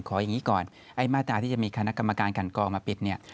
อย่างนี้ก่อนไอ้มาตราที่จะมีคณะกรรมการกันกองมาปิดเนี่ย